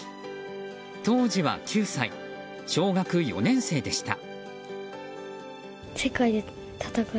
当時は９歳、小学４年生でした。